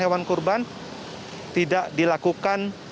hewan kurban tidak dilakukan